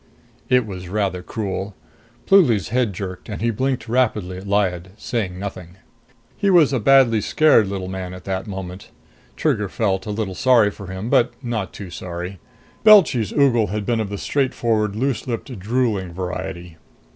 It was rather cruel. Pluly's head jerked, and he blinked rapidly at Lyad, saying nothing. He was a badly scared little man at that moment. Trigger felt a little sorry for him, but not too sorry. Belchy's ogle had been of the straightforward, loose lipped, drooling variety.